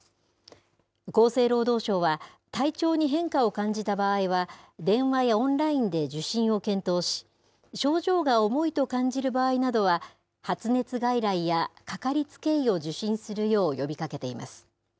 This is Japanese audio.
厚生労働省は、体調に変化を感じた場合は、電話やオンラインで受診を検討し、症状が重いと感じる場合などは、発熱外来やかかりつけ医を受診するよう呼びかけています。